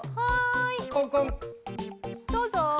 どうぞ。